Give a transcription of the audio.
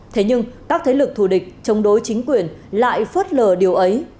thế nhưng các thế lực thù địch chống đối chính quyền lại phớt lờ điều ấy